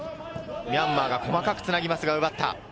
ミャンマーが細かくつなぎますが、奪った。